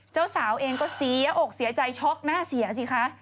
เจ้าสาวเองก็เสียอกเสียใจช็อกหน้าเสียสิคะ